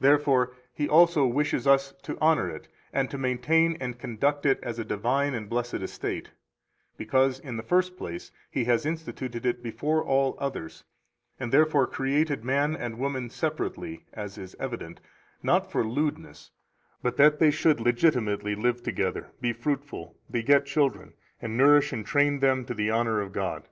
207 Therefore He also wishes us to honor it, and to maintain and conduct it as a divine and blessed estate; because, in the first place, He has instituted it before all others, and therefore created man and woman separately (as is evident), not for lewdness, but that they should [legitimately] live together, be fruitful, beget children, and nourish and train them to the honor of God.